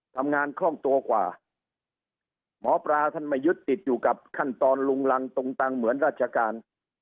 คล่องตัวกว่าหมอปลาท่านไม่ยึดติดอยู่กับขั้นตอนลุงรังตุงตังเหมือนราชการ